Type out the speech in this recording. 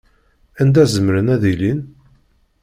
Anda zemren ad ilin?